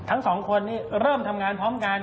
ทั้งสองคนนี้เริ่มทำงานพร้อมกัน